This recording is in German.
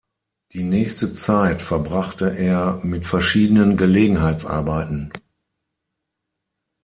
Die nächste Zeit verbrachte er mit verschiedenen Gelegenheitsarbeiten.